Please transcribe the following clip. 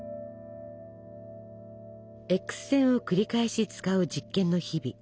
Ｘ線を繰り返し使う実験の日々。